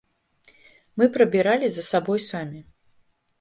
Мы прыбіралі за сабой самі.